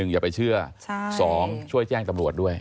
อย่าไปเชื่อ๒ช่วยแจ้งตำรวจด้วย